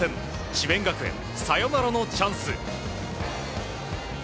智弁学園、サヨナラのチャンス。